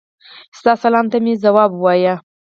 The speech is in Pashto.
ستا سلام ته مي ځواب ووایه.